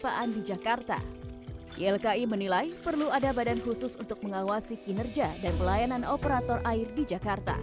ylki menilai perlu ada badan khusus untuk mengawasi kinerja dan pelayanan operator air di jakarta